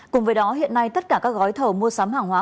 cùng với đó hiện nay tất cả các gói thầu mua sắm hàng hóa